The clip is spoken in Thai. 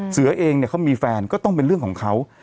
เสือเองเนี่ยเขามีแฟนก็ต้องเป็นเรื่องของเขา